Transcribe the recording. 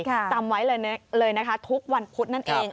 จำไว้เลยนะคะทุกวันพุธนั่นเอง